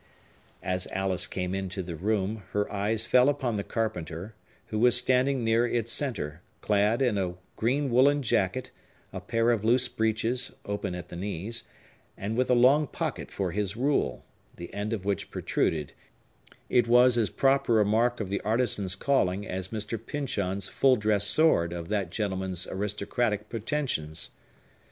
As Alice came into the room, her eyes fell upon the carpenter, who was standing near its centre, clad in green woollen jacket, a pair of loose breeches, open at the knees, and with a long pocket for his rule, the end of which protruded; it was as proper a mark of the artisan's calling as Mr. Pyncheon's full dress sword of that gentleman's aristocratic pretensions.